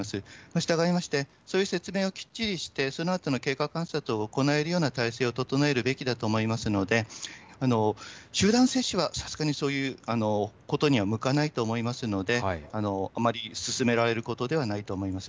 従いまして、そういう説明をきっちりして、そのあとの経過観察を行えるような体制を整えるべきだと思いますので、集団接種はさすがにそういうことには向かないと思いますので、あまり勧められることではないと思います。